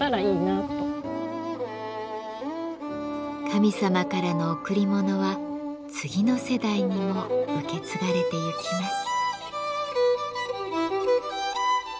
「神様からの贈り物」は次の世代にも受け継がれてゆきます。